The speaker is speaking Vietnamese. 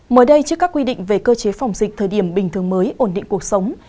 mới đây trước các quy định về cơ chế phòng dịch thời điểm bình thường mới ổn định cuộc sống